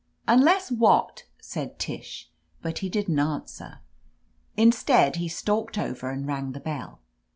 "Unless what ?" said Tish, but he didn't an swer. Instead, he stalked over and rang the bell.